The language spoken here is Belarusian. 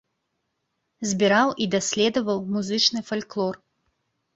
Збіраў і даследаваў музычны фальклор.